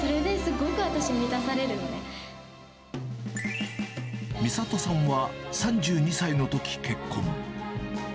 ご美里さんは、３２歳のとき結婚。